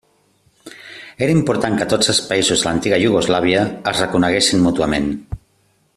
Era important que tots els països de l'antiga Iugoslàvia es reconeguessin mútuament.